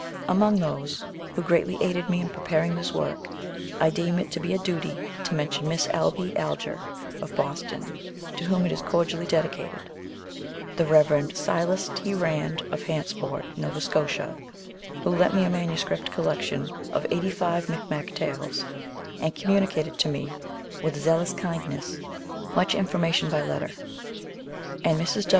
Among those who have greatly aided me in pre paring this work I deem it to be a duty to mention Miss ABBY ALGER, of Boston, to whom it is cordially dedicated; the REV. SILAS T. RAND, of Hantsport, Nova Scotia, who lent me a manuscript collection of eighty five Micmac tales, and communicated to me, with zealous kindness, much information by letter; and MRS.